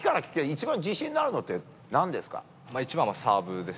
一番自信があるのってなんですか？